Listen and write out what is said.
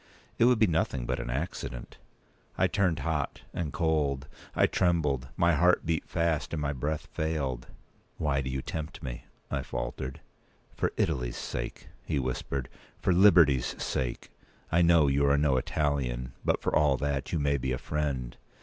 It would be nothing but an accident." I turned hot and cold; I trembled; my heart beat fast, and my breath failed. "Why do you tempt me?" I faltered. "For Italy's sake," he whispered; "for liberty's sake. I know you are no Italian; but, for all that, you may be a friend.